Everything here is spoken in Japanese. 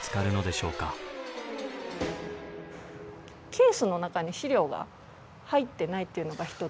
ケースの中に資料が入ってないっていうのが一つ。